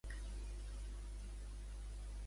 Sens dubte, la cultura catalana no és equidistant.